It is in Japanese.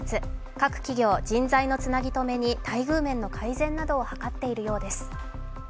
各企業、人材のつなぎ止めに待遇面の改善などを図っているようです。